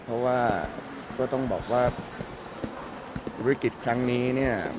เพราะว่าก็ต้องบอกว่าบริกฤตครั้งนี้นี่นะครับ